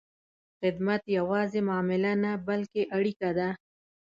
خدمت یوازې معامله نه، بلکې اړیکه ده.